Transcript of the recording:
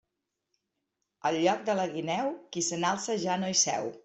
Al lloc de la guineu, qui se n'alça ja no hi seu.